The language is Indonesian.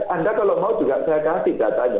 anda kalau mau juga saya kasih datanya